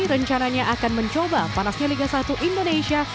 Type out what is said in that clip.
rencananya akan mencoba panasnya liga satu indonesia